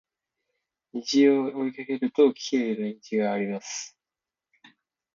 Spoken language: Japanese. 虹を追いかけるときれいな虹があります